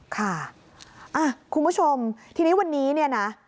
ค่ะคุณผู้ชมทีนี้วันนี้เนี่ยนะ